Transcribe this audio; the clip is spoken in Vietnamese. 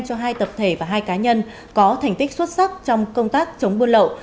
cho hai tập thể và hai cá nhân có thành tích xuất sắc trong công tác chống buôn lậu